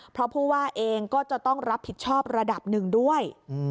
เพราะผู้ว่าเองก็จะต้องรับผิดชอบระดับหนึ่งด้วย